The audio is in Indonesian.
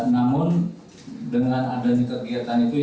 namun dengan adanya kegiatan itu